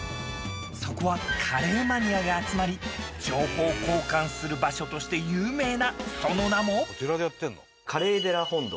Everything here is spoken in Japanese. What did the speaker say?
［そこはカレーマニアが集まり情報交換する場所として有名なその名も］